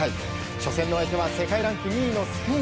初戦の相手は世界ランク２位のスペイン。